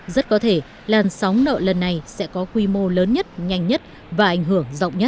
rất có thể làn sóng nợ lần này sẽ có quy mô lớn nhất nhanh nhất và ảnh hưởng rộng nhất